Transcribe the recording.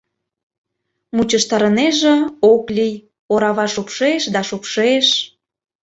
Мучыштарынеже — ок лий, орава шупшеш да шупшеш.